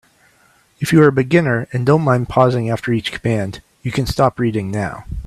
If you are a beginner and don't mind pausing after each command, you can stop reading now.